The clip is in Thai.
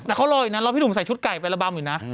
แต่เขารออยู่นะรอพี่หนุ่มใส่ชุดไก่ไประบำอยู่นะ